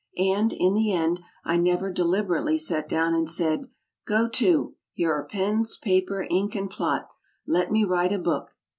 And, in the end, I never deliber ately sat down and said "Go to! Here are pens, paper, ink and plot. Let me write a book.